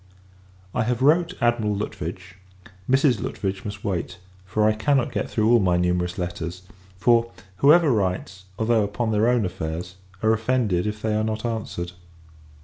I have wrote Admiral Lutwidge; Mrs. Lutwidge must wait, for I cannot get through all my numerous letters: for, whoever writes, although upon their own affairs, are offended if they are not answered.